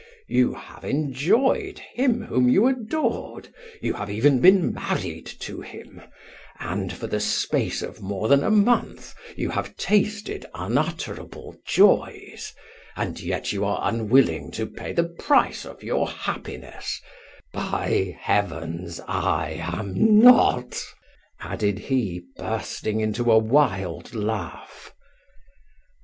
You have enjoyed him whom you adored you have even been married to him and, for the space of more than a month, have tasted unutterable joys, and yet you are unwilling to pay the price of your happiness by heavens I am not!" added he, bursting into a wild laugh.